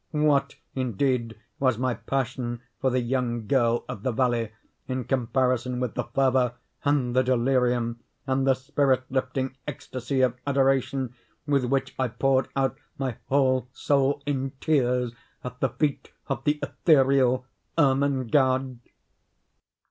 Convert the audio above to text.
What, indeed, was my passion for the young girl of the valley in comparison with the fervor, and the delirium, and the spirit lifting ecstasy of adoration with which I poured out my whole soul in tears at the feet of the ethereal Ermengarde?